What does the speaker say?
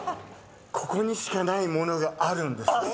ここにしかない物があるんです！